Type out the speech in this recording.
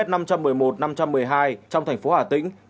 trong thành phố hà tĩnh